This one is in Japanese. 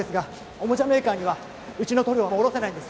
おもちゃメーカーにはうちの塗料は卸せないんです